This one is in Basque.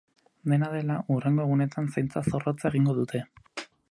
Dena dela, hurrengo egunetan zaintza zorrotza egingo dute.